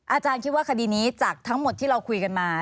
อาจารย์คิดว่าคดีนี้จากทั้งหมดที่เราคุยกันมา